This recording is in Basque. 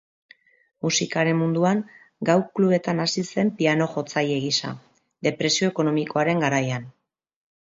Musikaren munduan gau-klubetan hasi zen piano-jotzaile gisa, depresio ekonomikoaren garaian.